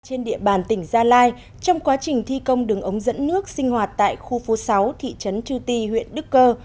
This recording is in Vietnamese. trên địa bàn tỉnh gia lai trong quá trình thi công đường ống dẫn nước sinh hoạt tại khu phố sáu thị trấn chư ti huyện đức cơ